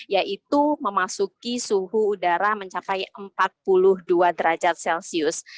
yaitu memasuki suhu udara mencapai empat puluh dua derajat celcius